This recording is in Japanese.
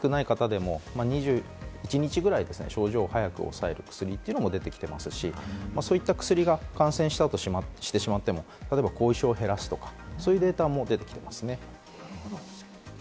あとはリスクがない方でも２１日ぐらい症状を早く抑える薬ももう出てきていますし、そういった薬が感染してしまっても、後遺症を減らすとか、そういうデータも出てきていますね。